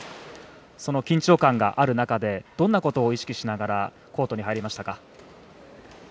その緊張感がある中でどんなことを意識してコートに入りましたか？